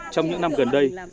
trong những năm gần đây